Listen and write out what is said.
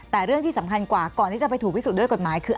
แต่เรื่องที่สำคัญกว่าก่อนที่จะไปถูกพิสูจนด้วยกฎหมายคือ